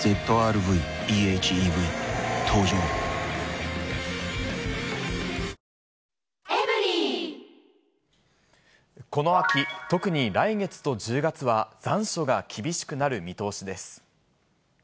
夜中、クーラーかけて寝てるこの秋、特に来月と１０月は残暑が厳しくなる見通しです。